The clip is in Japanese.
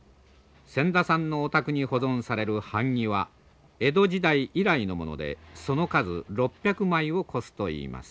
千田さんのお宅に保存される版木は江戸時代以来のものでその数６００枚を超すといいます。